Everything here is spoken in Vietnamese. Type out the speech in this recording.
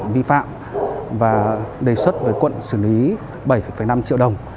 vi phạm và đề xuất với quận xử lý bảy năm triệu đồng